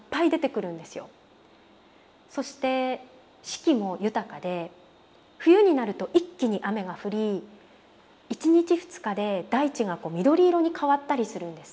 そして四季も豊かで冬になると一気に雨が降り１日２日で大地が緑色に変わったりするんです。